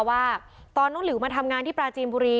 ในอำเภอศรีมหาโพธิ์จังหวัดปลาจีนบุรี